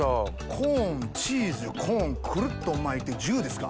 コーンチーズコーンくるっと巻いてジュですか。